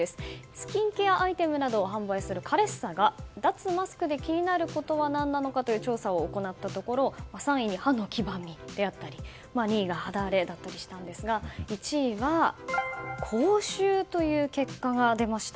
スキンケアアイテムなどを販売するカレッサが、脱マスクで気になることは何なのかという調査を行ったところ３位に歯の黄ばみであったり２位が肌荒れだったりしたんですが１位は口臭という結果が出ました。